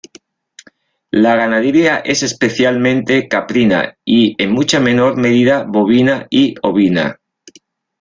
La ganadería es especialmente caprina y en mucha menor medida bovina y ovina.